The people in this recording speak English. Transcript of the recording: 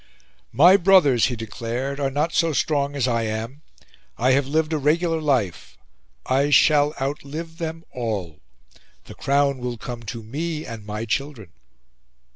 "My brothers," he declared, "are not so strong as I am; I have lived a regular life. I shall outlive them all. The crown will come to me and my children."